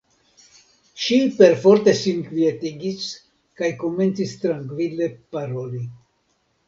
Ŝi perforte sin kvietigis kaj komencis trankvile paroli.